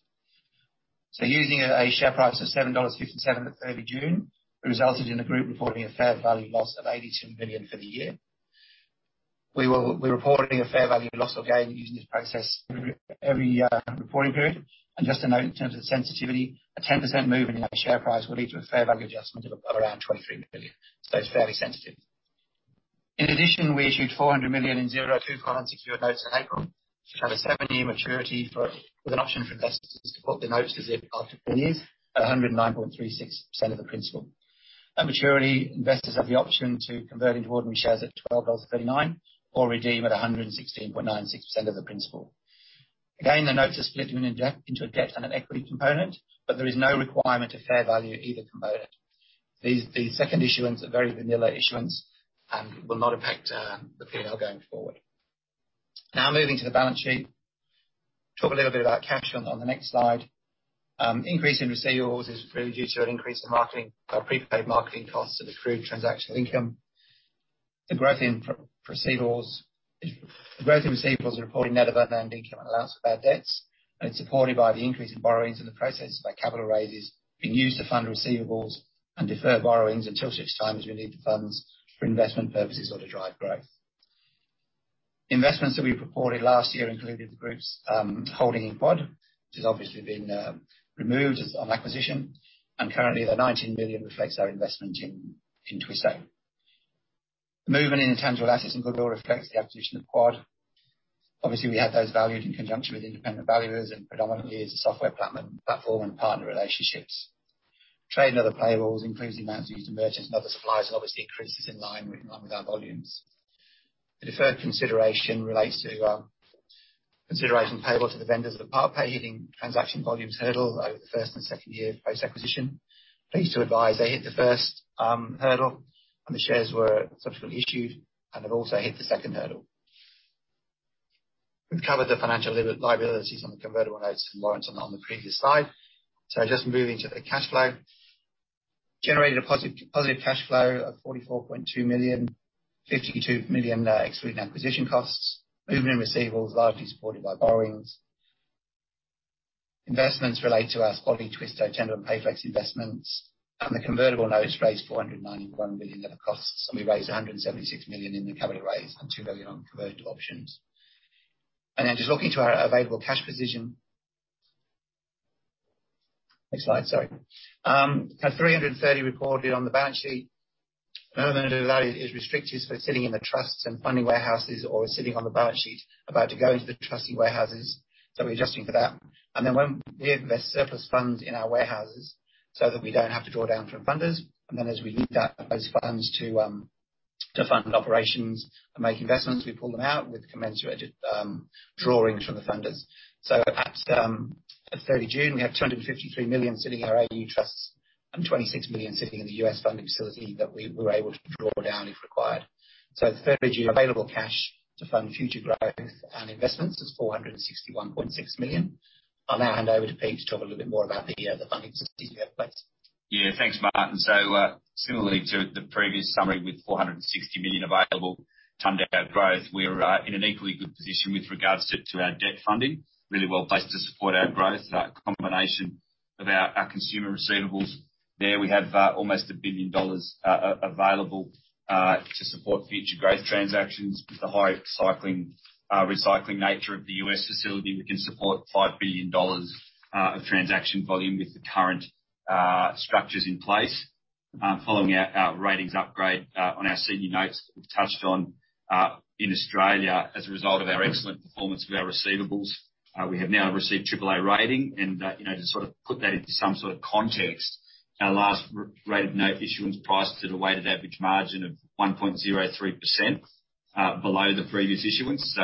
Using a share price of 7.57 dollars at 30 June, it resulted in the group reporting a fair value loss of 82 million for the year. We're reporting a fair value loss or gain using this process every year in reporting period. Just to note, in terms of sensitivity, a 10% move in our share price will lead to a fair value adjustment of around 23 million. It's fairly sensitive. In addition, we issued 400 million in zero coupon unsecured notes in April, which have a seven-year maturity with an option for investors to put the notes as if after three years at 109.36% of the principal. At maturity, investors have the option to convert into ordinary shares at 12.39 dollars or redeem at 116.96% of the principal. The notes are split into a debt and an equity component, but there is no requirement to fair value either component. The second issuance, a very vanilla issuance, and will not impact the P&L going forward. Moving to the balance sheet. Talk a little bit about cash on the next slide. Increase in receivables is really due to an increase in marketing or prepaid marketing costs and accrued transactional income. The growth in receivables reported net of unearned income, allowance for bad debts, and it's supported by the increase in borrowings in the process by capital raises being used to fund receivables and defer borrowings until such time as we need the funds for investment purposes or to drive growth. Investments that we reported last year included the group's holding in Quad, which has obviously been removed as on acquisition, and currently the 19 million reflects our investment in Twisto. The movement in intangible assets and goodwill reflects the acquisition of Quad. We had those valued in conjunction with independent valuers and predominantly as a software platform and partner relationships. Trade and other payables, increasing amounts of use of merchants and other suppliers and obviously increases in line with our volumes. The deferred consideration relates to consideration payable to the vendors of the Payflex hitting transaction volumes hurdle over the first and second year post-acquisition. Pleased to advise they hit the first hurdle and the shares were subsequently issued. They've also hit the second hurdle. We've covered the financial liabilities on the convertible notes and warrants on the previous slide. Just moving to the cash flow. Generated a positive cash flow of 44.2 million, 52 million excluding acquisition costs. Movement in receivables, largely supported by borrowings. Investments relate to our Spotii Twisto Tendo and Payflex investments. The convertible notes raised 491 million dollar net of costs, and we raised 176 million in the capital raise and 2 million on converted options. Just looking to our available cash position. Next slide. Sorry. At 330 million reported on the balance sheet, none of that is restricted for sitting in the trusts and funding warehouses or sitting on the balance sheet about to go into the trustee warehouses. We're adjusting for that. When we have the surplus funds in our warehouses, so that we don't have to draw down from funders, and then as we need those funds to fund operations and make investments, we pull them out with commensurate drawings from the funders. At 30 June, we have 253 million sitting in our AU trusts and $26 million sitting in the U.S. funding facility that we were able to draw down if required. 30 June available cash to fund future growth and investments is 461.6 million. I'll now hand over to Pete to talk a little bit more about the funding facilities we have in place. Thanks, Martin. Similarly to the previous summary with 460 million available to fund our growth, we are in an equally good position with regards to our debt funding. Really well-placed to support our growth. Combination of our consumer receivables, there we have almost 1 billion dollars available to support future growth transactions. With the high recycling nature of the U.S. facility, we can support $5 billion of transaction volume with the current structures in place. Following our ratings upgrade on our senior notes, we've touched on, in Australia as a result of our excellent performance of our receivables. We have now received AAA rating and, to sort of put that into some sort of context, our last rated note issuance priced at a weighted average margin of 1.03% below the previous issuance.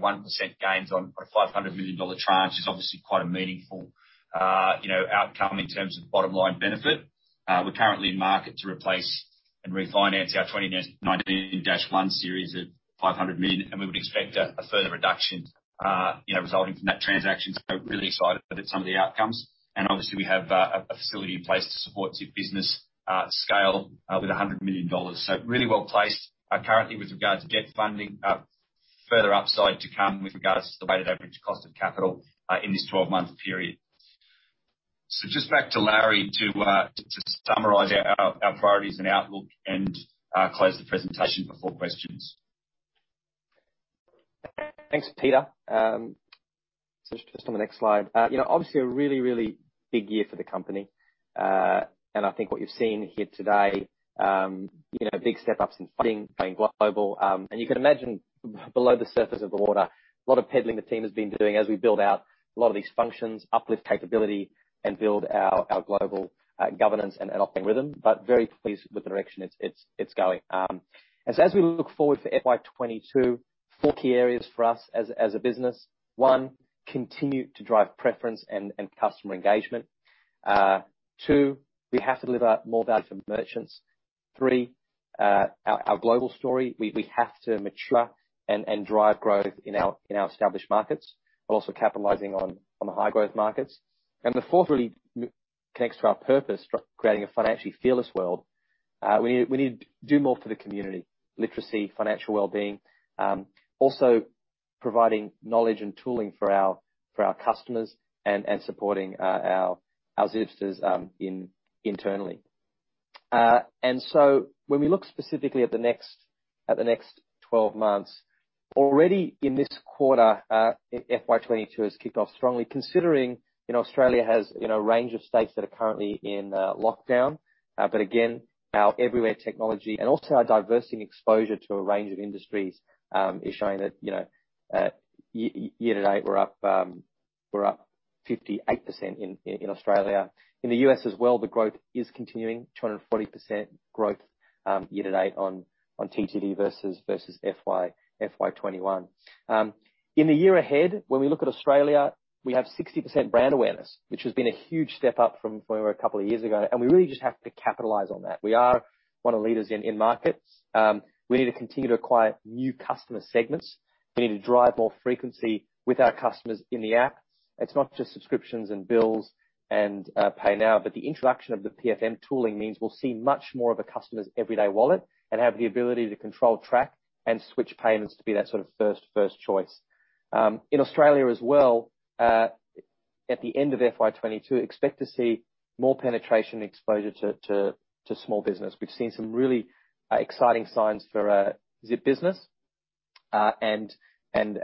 One percent gains on a 500 million dollar tranche is obviously quite a meaningful outcome in terms of bottom-line benefit. We're currently in market to replace and refinance our 2019-1 series of 500 million, and we would expect a further reduction resulting from that transaction. Really excited about some of the outcomes. Obviously, we have a facility in place to support Zip Business scale with 100 million dollars. Really well-placed currently with regards to debt funding. Further upside to come with regards to the weighted average cost of capital, in this 12-month period. Just back to Larry to summarize our priorities and outlook and close the presentation before questions. Thanks, Peter. Just on the next slide. Obviously a really, really big year for the company. I think what you've seen here today, big step-ups in funding, going global. You can imagine below the surface of the water, a lot of peddling the team has been doing as we build out a lot of these functions, uplift capability and build our global governance and operating rhythm. Very pleased with the direction it's going. As we look forward for FY 2022, four key areas for us as a business. One, continue to drive preference and customer engagement. Two, we have to deliver more value for merchants. Three, our global story. We have to mature and drive growth in our established markets, also capitalizing on the high-growth markets. The fourth really connects to our purpose for creating a financially fearless world. We need to do more for the community. Literacy, financial well-being. Also providing knowledge and tooling for our customers and supporting our Zipsters internally. When we look specifically at the next 12 months, already in this quarter, FY 2022 has kicked off strongly considering Australia has a range of states that are currently in lockdown. Again, our everywhere technology and also our diversity and exposure to a range of industries, is showing that year to date, we're up 58% in Australia. In the U.S. as well, the growth is continuing, 240% growth year to date on TTV versus FY 2021. In the year ahead, when we look at Australia, we have 60% brand awareness, which has been a huge step up from where we were a couple of years ago, and we really just have to capitalize on that. We are one of the leaders in markets. We need to continue to acquire new customer segments. We need to drive more frequency with our customers in the app. It's not just subscriptions and bills and Pay Now, but the introduction of the PFM tooling means we'll see much more of a customer's everyday wallet and have the ability to control, track, and switch payments to be that sort of first choice. In Australia as well, at the end of FY 2022, expect to see more penetration exposure to small business. We've seen some really exciting signs for Zip Business, and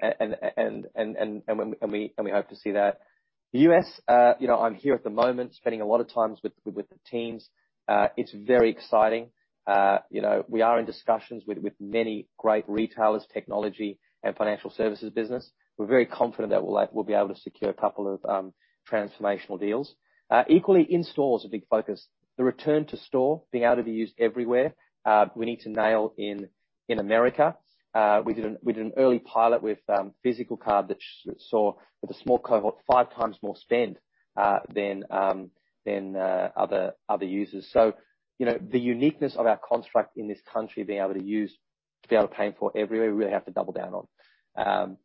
we hope to see that. The U.S., I'm here at the moment spending a lot of times with the teams. It's very exciting. We are in discussions with many great retailers, technology and financial services business. We're very confident that we'll be able to secure a couple of transformational deals. Equally in-store is a big focus. The return to store, being able to be used everywhere, we need to nail in the U.S. We did an early pilot with physical card that saw, with a small cohort, five times more spend than other users. The uniqueness of our construct in this country, being able to use Pay-in-4 everywhere, we really have to double down on.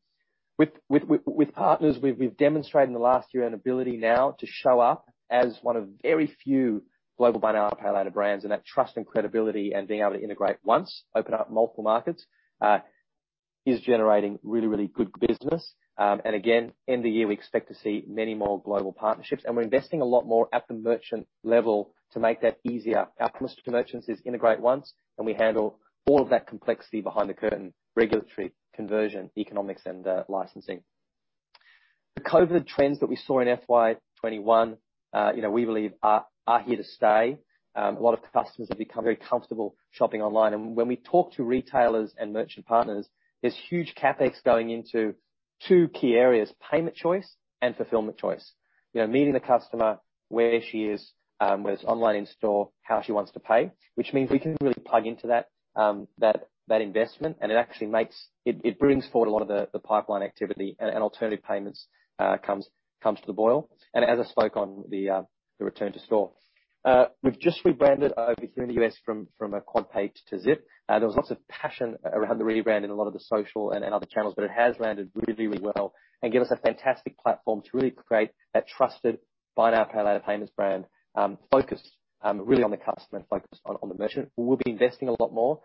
With partners, we've demonstrated in the last year an ability now to show up as one of very few global buy now, pay later brands, and that trust and credibility and being able to integrate once, open up multiple markets, is generating really, really good business. Again, end of the year, we expect to see many more global partnerships. We're investing a lot more at the merchant level to make that easier. Our promise to merchants is integrate once, and we handle all of that complexity behind the curtain, regulatory, conversion, economics, and licensing. The COVID trends that we saw in FY 2021, we believe are here to stay. A lot of customers have become very comfortable shopping online. When we talk to retailers and merchant partners, there's huge CapEx going into two key areas, payment choice and fulfillment choice. Meeting the customer where she is, whether it's online, in store, how she wants to pay, which means we can really plug into that investment, and it brings forward a lot of the pipeline activity, and alternative payments comes to the boil. As I spoke on the return to store. We've just rebranded over here in the U.S. from QuadPay to Zip. There was lots of passion around the rebrand in a lot of the social and other channels. It has landed really, really well and given us a fantastic platform to really create that trusted buy now, pay later payments brand, focused really on the customer, focused on the merchant, who will be investing a lot more.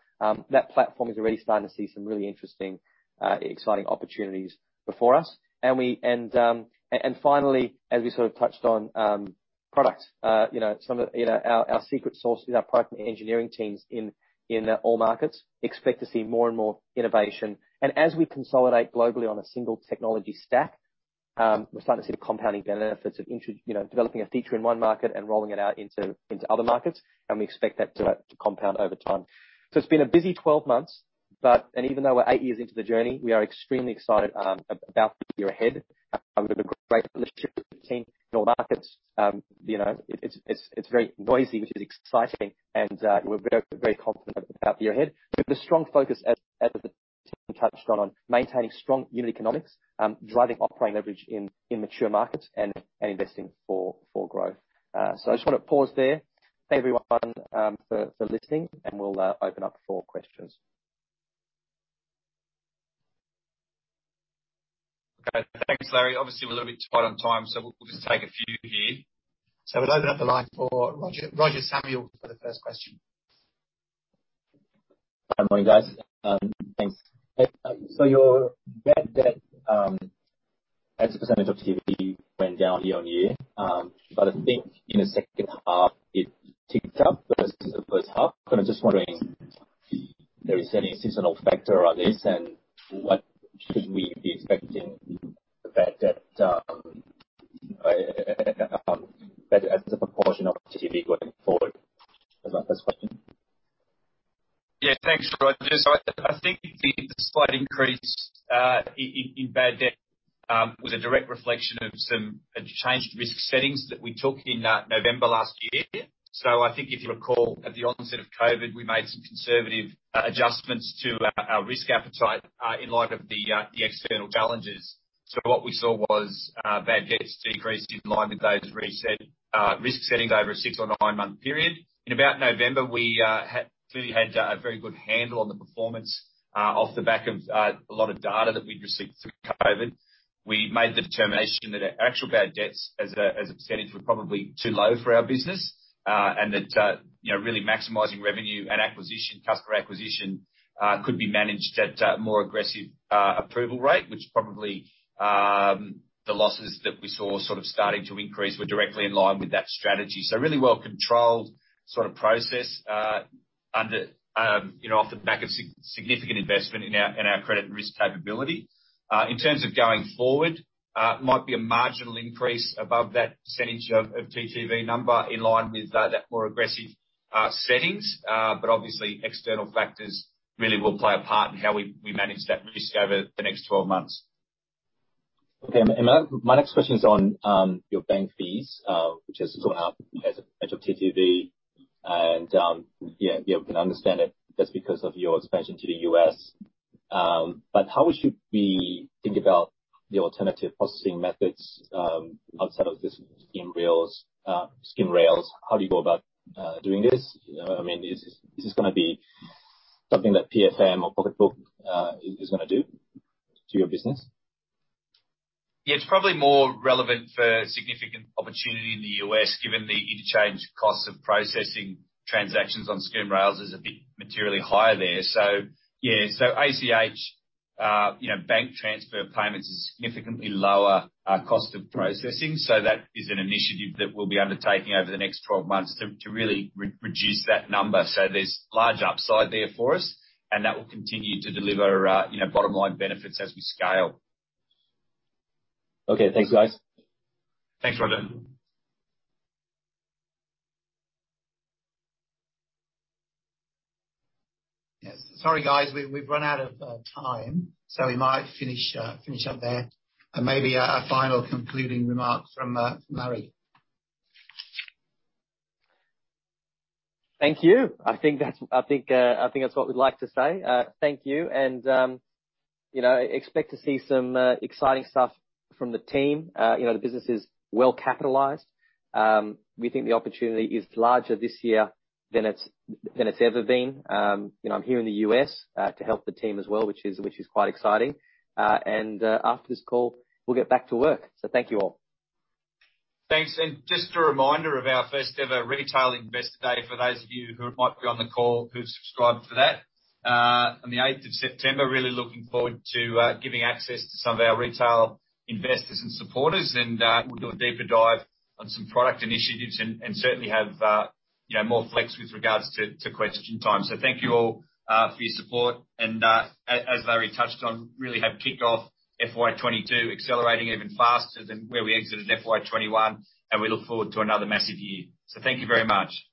That platform is already starting to see some really interesting, exciting opportunities before us. Finally, as we touched on products, our secret sauce is our product and engineering teams in all markets. Expect to see more and more innovation. As we consolidate globally on a single technology stack, we're starting to see the compounding benefits of developing a feature in one market and rolling it out into other markets. We expect that to compound over time. It's been a busy 12 months. Even though we're eight years into the journey, we are extremely excited about the year ahead. We have a great leadership team in all markets. It's very noisy, which is exciting, and we're very confident about the year ahead. We have a strong focus, as the team touched on maintaining strong unit economics, driving operating leverage in mature markets, and investing for growth. I just want to pause there. Thank you, everyone, for listening, and we'll open up for questions. Okay. Thanks, Larry. Obviously, we're a little bit tight on time, we'll just take a few here. We'll open up the line for Roger Samuel for the first question. Hi, morning, guys. Thanks. Your bad debt as a percentage of GTV went down year-on-year. I think in the second half, it ticked up versus the first half. I am just wondering if there is any seasonal factor on this, and what should we be expecting bad debt as a proportion of GTV going forward? That is my first question. Yeah. Thanks, Roger. I think the slight increase in bad debt was a direct reflection of some changed risk settings that we took in November last year. I think if you recall, at the onset of COVID, we made some conservative adjustments to our risk appetite in light of the external challenges. What we saw was bad debts decrease in line with those risk settings over a six- or nine-month period. In about November, we clearly had a very good handle on the performance off the back of a lot of data that we'd received through COVID. We made the determination that our actual bad debts as a percentage were probably too low for our business, and that really maximizing revenue and customer acquisition could be managed at a more aggressive approval rate. Which probably, the losses that we saw starting to increase were directly in line with that strategy. Really well-controlled process off the back of significant investment in our credit and risk capability. In terms of going forward, might be a marginal increase above that percentage of GTV number in line with that more aggressive settings. Obviously, external factors really will play a part in how we manage that risk over the next 12 months. Okay. My next question is on your bank fees, which has gone up as a percentage of GTV. Yeah, we can understand it just because of your expansion to the U.S. How should we think about the alternative processing methods outside of the scheme rails? How do you go about doing this? Is this going to be something that PFM or Pocketbook is going to do to your business? Yeah. It's probably more relevant for significant opportunity in the U.S., given the interchange costs of processing transactions on scheme rails is a bit materially higher there. Yeah. ACH, bank transfer payments is significantly lower cost of processing. That is an initiative that we'll be undertaking over the next 12 months to really reduce that number. There's large upside there for us, and that will continue to deliver bottom-line benefits as we scale. Okay. Thanks, guys. Thanks, Roger. Yes. Sorry, guys. We've run out of time. We might finish up there. Maybe a final concluding remark from Larry. Thank you. I think that's what we'd like to say. Thank you, and expect to see some exciting stuff from the team. The business is well capitalized. We think the opportunity is larger this year than it's ever been. I'm here in the U.S. to help the team as well, which is quite exciting. After this call, we'll get back to work. Thank you all. Thanks. Just a reminder of our first ever Retail Investor Day for those of you who might be on the call who've subscribed to that. On the 8th of September, really looking forward to giving access to some of our retail investors and supporters, and we'll do a deeper dive on some product initiatives and certainly have more flex with regards to question time. Thank you all for your support. As Larry touched on, really have kicked off FY 2022 accelerating even faster than where we exited FY 2021, and we look forward to another massive year. Thank you very much.